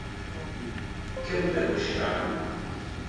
¿Que emprego xeraron?